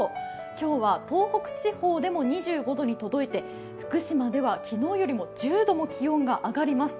今日は東北地方でも２５度に届いて、福島では昨日よりも１０度も気温が上がります。